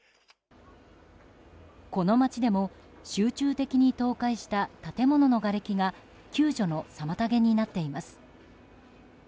この街でも集中的に倒壊した建物のがれきが救助の妨げになっています。